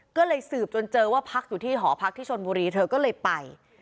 ก็เลยสืบจนเจอว่าพักอยู่ที่หอพักที่ชนบุรีเธอก็เลยไป